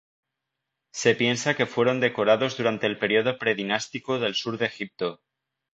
Se piensa que fueron decoradas durante el período predinástico del sur de Egipto.